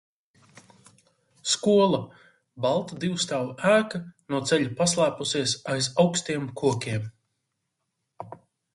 Skola - balta divstāvu ēka - no ceļa paslēpusies aiz augstiem kokiem.